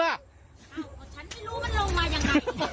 อ้าวฉันไม่รู้มันลงมายังไง